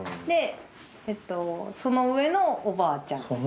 でえっとその上のおばあちゃん。